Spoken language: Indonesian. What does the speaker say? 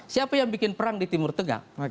siapa yang bikin perang di timur tengah